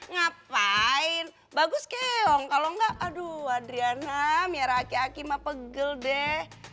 ngapain bagus keong kalo enggak aduh adriana miara aki aki mah pegel deh